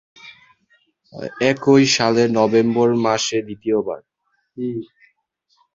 একই সালের নভেম্বর মাসে দ্বিতীয়বার।